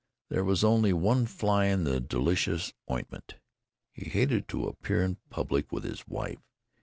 There was only one fly in the delicious ointment he hated to appear in public with his wife.